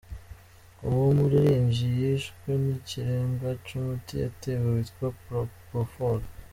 Uwo muririmvyi yishwe n'ikirenga c'umuti yatewe witwa propofol.